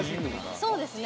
◆そうですね。